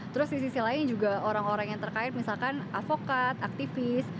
terus di sisi lain juga orang orang yang terkait misalkan avokat aktivis